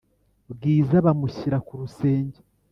bwiza bamushyira kurusenge